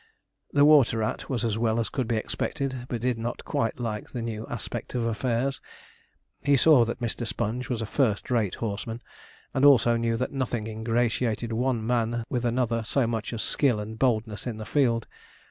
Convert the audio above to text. The water rat was as well as could be expected, but did not quite like the new aspect of affairs. He saw that Mr. Sponge was a first rate horseman, and also knew that nothing ingratiated one man with another so much as skill and boldness in the field.